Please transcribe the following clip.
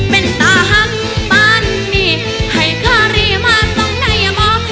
เป็นตาหังปานนี้ไห้กระลิกมาซ้องในยับบ่